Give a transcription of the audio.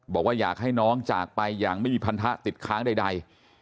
บอกว่าอยากให้น้องจากไปอย่างไม่มีพันธะติดค้างใด